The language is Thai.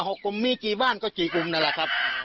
กลุ่มมีกี่บ้านก็กี่กลุ่มนั่นแหละครับ